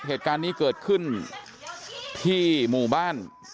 เหตุการณ์นี้เกิดขึ้นที่หมู่บ้าน